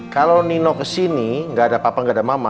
kalau nino kesini nggak ada papa nggak ada mama